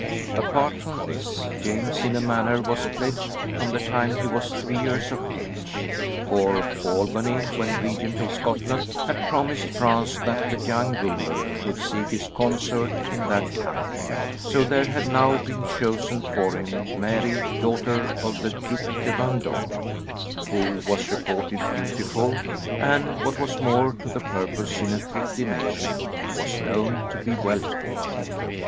Apart from this, James, in a manner, was pledged from the time he was three years of age, for Albany, when Regent of Scotland, had promised France that the young ruler should seek his consort in that country; so there had now been chosen for him Mary, daughter of the Duc de Vendôme, who was reported beautiful, and, what was more to the purpose in a thrifty nation, was known to be wealthy.